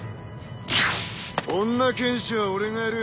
女剣士は俺がやる。